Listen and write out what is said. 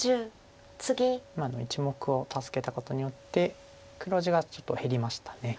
今の１目を助けたことによって黒地がちょっと減りました。